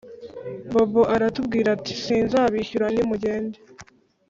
bobo aratubwira ati sinzabishyura nimugende